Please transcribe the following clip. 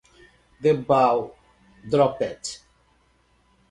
The ball dropped.